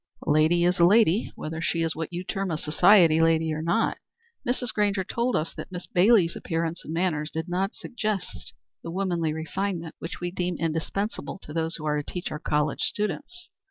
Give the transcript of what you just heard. "A lady is a lady, whether she is what you term a society lady or not. Mrs. Grainger told us that Miss Bailey's appearance and manners did not suggest the womanly refinement which we deem indispensable in those who are to teach our college students.